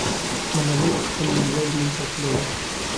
ملالۍ به خپل لوړ نوم ساتلی وي.